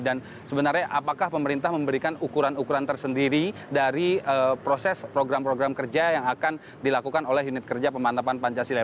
dan sebenarnya apakah pemerintah memberikan ukuran ukuran tersendiri dari proses program program kerja yang akan dilakukan oleh unit kerja pemantapan pancasila